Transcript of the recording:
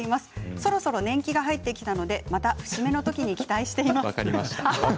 そろそろ年季が入ってきたのでまた節目のときに期待しています。